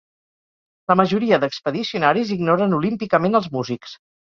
La majoria d'expedicionaris ignoren olímpicament els músics.